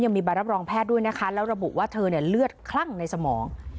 มีใบรับรองแพทย์ด้วยนะคะแล้วระบุว่าเธอเนี่ยเลือดคลั่งในสมอง